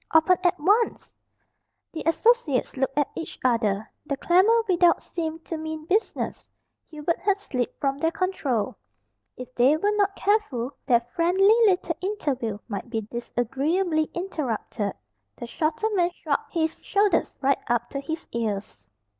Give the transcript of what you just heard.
Open at once!" The associates looked at each other. The clamour without seemed to mean business. Hubert had slipped from their control. If they were not careful their friendly little interview might be disagreeably interrupted. The shorter man shrugged his shoulders right up to his ears.